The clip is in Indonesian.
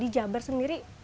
di jabar sendiri